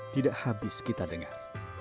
tidak habis kita dengar